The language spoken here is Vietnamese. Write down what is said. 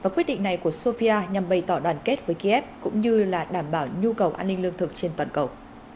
quyết định này của sofia nhằm bày tỏ đoàn kết với kiev cũng như là đảm bảo nhu cầu an ninh lương thực trên toàn cầu